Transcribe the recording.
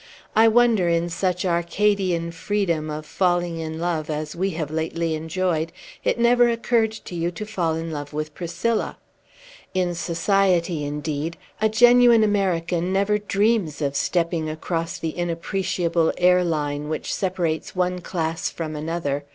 I wonder, in such Arcadian freedom of falling in love as we have lately enjoyed, it never occurred to you to fall in love with Priscilla. In society, indeed, a genuine American never dreams of stepping across the inappreciable air line which separates one class from another.